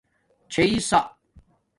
ݼئ سّا